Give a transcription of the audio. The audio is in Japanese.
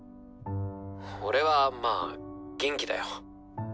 俺はまあ元気だよ。